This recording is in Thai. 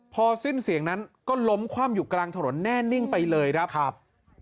พอสิ้นเสียงนั้นก็ล้มคว่ำอยู่กลางถนนแน่นิ่งไปเลยครับครับ